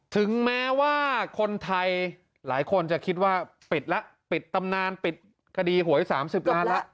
ถึงแม้ว่าคนไทยหลายคนจะคิดว่าปิดแล้วปิดตำนานปิดคดีหวย๓๐ล้านแล้ว